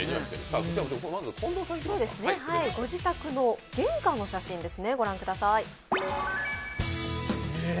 近藤さんのご自宅の玄関の写真ですね。